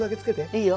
いいよ。